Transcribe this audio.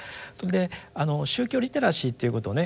宗教リテラシーということをね